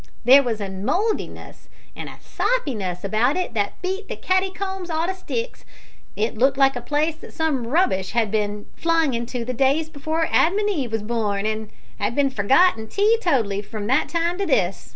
There was a mouldiness an' a soppiness about it that beat the katticombs all to sticks. It looked like a place that some rubbish had bin flung into in the days before Adam an' Eve was born, an' 'ad been forgotten tee totally from that time to this.